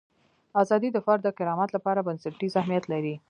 ازادي د فرد د کرامت لپاره بنسټیز اهمیت لري.